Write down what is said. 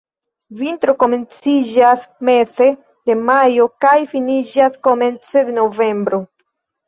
Vintro komenciĝas meze de majo kaj finiĝas komence de novembro.